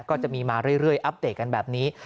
ก็จะมีมาเรื่อยอัปเดตกันแบบนี้